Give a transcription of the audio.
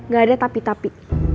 gak ada tapi tapi